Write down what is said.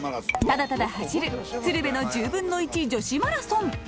ただただ走る「鶴瓶の１／１０女子マラソン」。